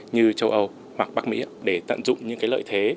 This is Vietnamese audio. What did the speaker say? như châu âu hoặc bắc mỹ để tận dụng những cái lợi thế